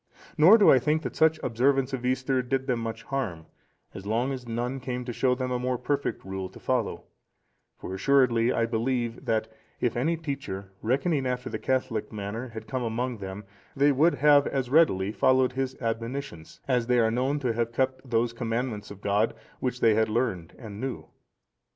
Nor do I think that such observance of Easter did them much harm, as long as none came to show them a more perfect rule to follow; for assuredly I believe that, if any teacher, reckoning after the Catholic manner, had come among them, they would have as readily followed his admonitions, as they are known to have kept those commandments of God, which they had learned and knew.